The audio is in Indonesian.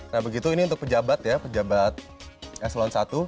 nah begitu ini untuk pejabat ya pejabat eselon i